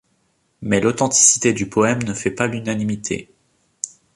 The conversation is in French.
Mais l'authenticité du poème ne fait pas l'unanimité.